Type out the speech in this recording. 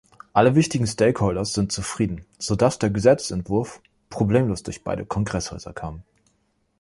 Alle wichtigen Stakeholders sind zufrieden, sodass der Gesetzesentwurf problemlos durch beide Kongresshäuser kam.